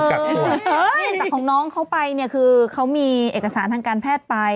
นี่แต่ของน้องเขาไปเนี่ยคือเขามีเอกสารทางการแพทย์ไป